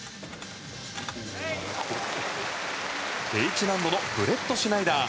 Ｈ難度のブレットシュナイダー。